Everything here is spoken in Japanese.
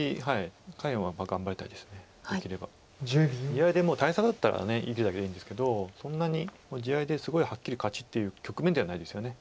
いやでも大差だったら生きるだけでいいんですけどそんなに地合いですごいはっきり勝ちっていう局面ではないですよね。